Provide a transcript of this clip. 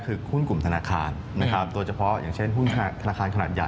คือหุ้นธนาคารตัวเฉพาะอย่างเช่นหุ้นธนาคารขนาดใหญ่